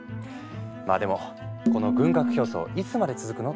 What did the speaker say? まあでもこの軍拡競争いつまで続くの？って思いますよね。